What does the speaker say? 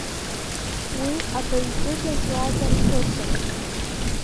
Уи абаҩҷыда злаз арԥысын.